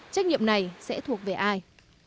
trách nhiệm này sẽ thuộc về ai